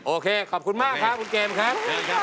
โอเคขอบคุณมากครับคุณเกมครับ